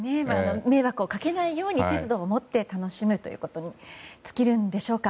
迷惑をかけないように節度を持って楽しむということに尽きるんでしょうか。